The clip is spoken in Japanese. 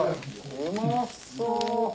うまそう！